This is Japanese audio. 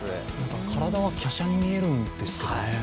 体はきゃしゃに見えるんですけどね。